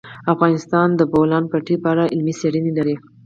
افغانستان د د بولان پټي په اړه علمي څېړنې لري.